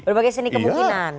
berbagai seni kemungkinan